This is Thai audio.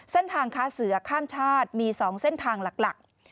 เส้นทางค้าเสือข้ามชาติมี๒เส้นทางหลัก